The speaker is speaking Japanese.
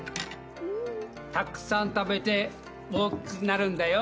たくさん食べて大きくなるんだよ。